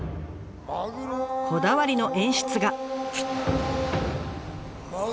こだわりの演出が。